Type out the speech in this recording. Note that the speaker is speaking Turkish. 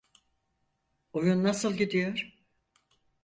Oyun nasıl gidiyor?